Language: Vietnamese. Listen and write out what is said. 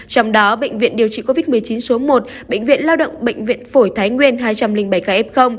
trong đó bệnh viện điều trị covid một mươi chín số một bệnh viện lao động bệnh viện phổi thái nguyên hai trăm linh bảy ca f